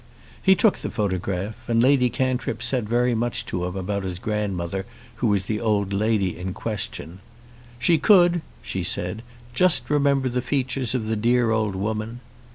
He took the photograph, and Lady Cantrip said very much to him about his grandmother, who was the old lady in question. "She could," she said, "just remember the features of the dear old woman."